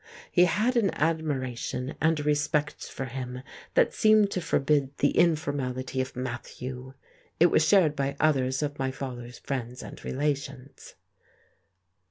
He had an admiration and respect for him that seemed to forbid the informality of "Matthew." It was shared by others of my father's friends and relations.